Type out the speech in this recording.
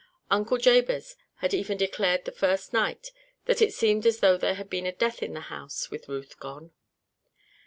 Uncle Jabez had even declared the first night that it seemed as though there had been a death in the house, with Ruth gone.